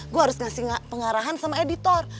gue harus ngasih pengarahan sama editor